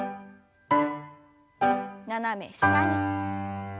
斜め下に。